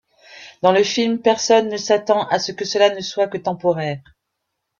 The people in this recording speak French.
Dans le film, personne ne s'attend à ce que cela ne soit que temporaire.